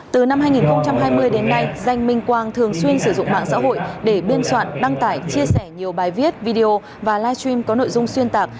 từ năm hai nghìn hai mươi đến nay danh minh quang thường xuyên sử dụng mạng xã hội để biên soạn đăng tải chia sẻ nhiều bài viết video và live stream có nội dung xuyên tạc